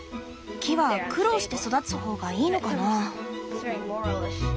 木は苦労して育つ方がいいのかな？